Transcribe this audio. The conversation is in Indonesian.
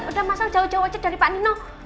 udah mas sal jauh dua aja dari pak nino